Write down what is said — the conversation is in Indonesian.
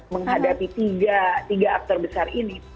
menghadapi tiga aktor besar ini